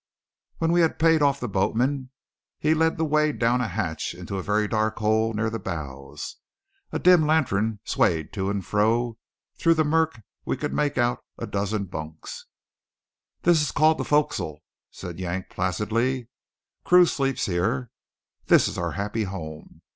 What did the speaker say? When we had paid off the boatman, he led the way down a hatch into a very dark hole near the bows. A dim lantern swayed to and fro, through the murk we could make out a dozen bunks. "They call this the fo'cas'le," said Yank placidly. "Crew sleeps here. This is our happy home.